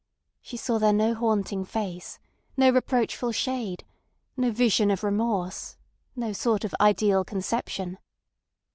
She saw there no haunting face, no reproachful shade, no vision of remorse, no sort of ideal conception.